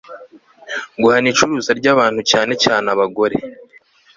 guhana icuruza ry abantu cyane cyane abagore